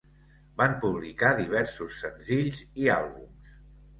Van publicar diversos senzills i àlbums.